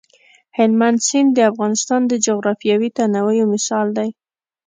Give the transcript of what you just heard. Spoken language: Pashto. هلمند سیند د افغانستان د جغرافیوي تنوع یو مثال دی.